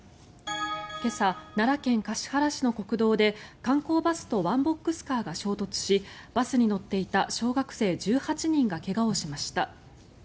今朝、奈良県橿原市の国道で観光バスとワンボックスカーが衝突しバスに乗っていた小学生１８人が怪我をしました。